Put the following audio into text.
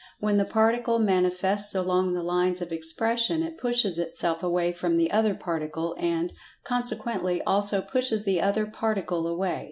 When the Particle manifests along the lines of Expression it pushes itself away from the other Particle, and, consequently, also pushes the other Particle away.